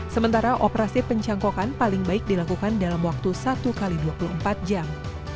sementara operasi pencangkokan paling baik dilakukan dalam waktu satu x dua puluh empat jam